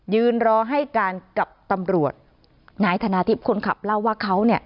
ยืนรอให้การกับตำรวจนายธนาทิพย์คนขับเล่าว่าเขาเนี่ย